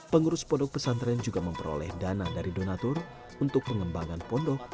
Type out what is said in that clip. pengurus pondok pesantren juga memperoleh dana dari donatur untuk pengembangan pondok